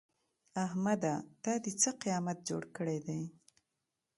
احمده! دا دې څه قيامت جوړ کړی دی؟